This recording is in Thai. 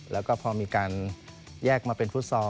แล้วก็พอมีการแยกมาเป็นฟุตซอล